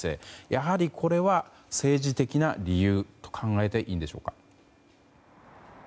やはり、これは政治的な理由と考えていいんでしょうか。